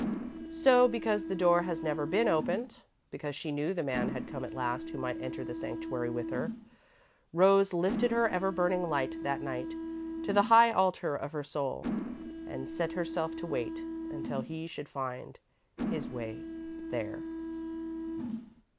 So, because the door had never been opened, and because she knew the man had come at last who might enter the sanctuary with her, Rose lifted her ever burning light that night to the high altar of her soul, and set herself to wait until he should find his way there.